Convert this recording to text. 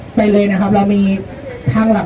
สวัสดีครับทุกคนวันนี้เกิดขึ้นทุกวันนี้นะครับ